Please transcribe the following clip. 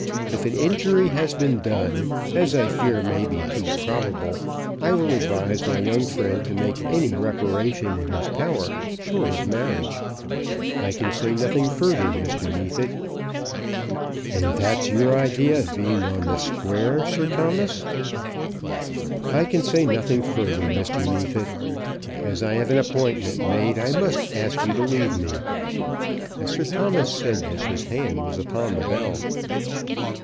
If an injury has been done, as I fear may be too probable, I will advise my young friend to make any reparation in his power short of marriage. I can say nothing further, Mr. Neefit." "And that's your idea of being on the square, Sir Thomas?" "I can say nothing further, Mr. Neefit. As I have an appointment made, I must ask you to leave me." As Sir Thomas said this, his hand was upon the bell.